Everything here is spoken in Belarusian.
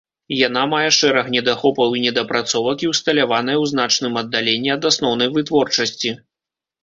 Яна мае шэраг недахопаў і недапрацовак і ўсталяваная ў значным аддаленні ад асноўнай вытворчасці.